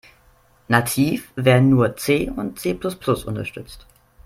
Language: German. Nativ werden nur C und C-plus-plus unterstützt.